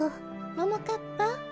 ももかっぱ